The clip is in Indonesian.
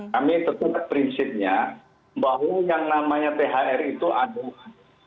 kami tetap berprinsipnya bahwa yang namanya thr itu aduh